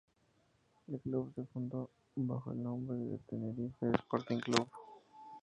El club se fundó bajo el nombre de Tenerife Sporting Club.